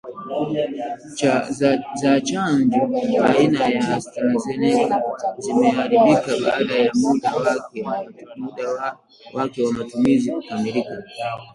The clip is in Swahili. za chanjo aina ya Astrazeneca zimeharibika baada ya muda wake wa matumizi kukamilika